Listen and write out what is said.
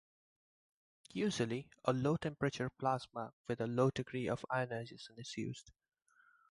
Usually, a low temperature plasma with a low degree of ionization is used.